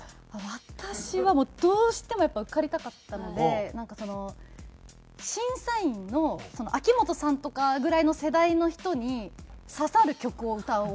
私はもうどうしてもやっぱ受かりたかったのでなんかその審査員の秋元さんとかぐらいの世代の人に刺さる曲を歌おう。